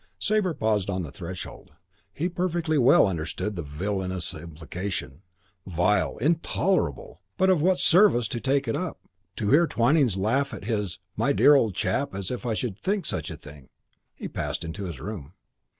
Sabre paused on the threshold. He perfectly well understood the villainous implication. Vile, intolerable! But of what service to take it up? To hear Twyning's laugh and his "My dear old chap, as if I should think such a thing!" He passed into his room.